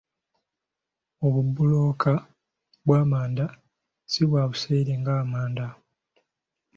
Obubulooka bw'amanda si bwa buseere nga amanda.